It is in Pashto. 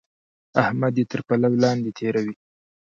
احمد يې تر پلو لاندې تېروي.